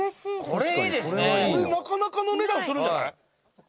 「これなかなかの値段するんじゃない？」